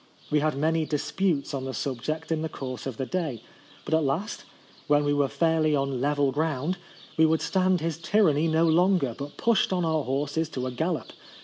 We had many disputes on the sub ject in the course of the day ; but at last, when we were fairly on level ground, we would stand his tyranny no longer, but pushed on our horses to a gallop.